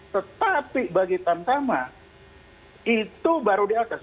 tetapi bagi tamtama itu baru di atas